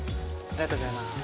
ありがとうございます。